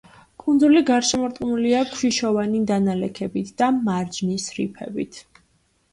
კუნძული გარშემორტყმულია ქვიშოვანი დანალექებით და მარჯნის რიფებით.